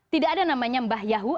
tidak ada namanya mbah yahu